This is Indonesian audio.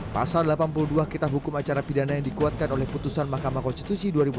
pasal delapan puluh dua kitab hukum acara pidana yang dikuatkan oleh putusan mahkamah konstitusi dua ribu enam belas